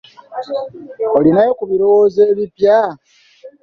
Olinayo ku birowoozo ebipya?